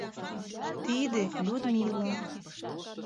Тиде — Людмила!